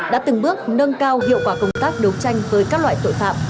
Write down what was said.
đã từng bước nâng cao hiệu quả công tác đấu tranh với các loại tội phạm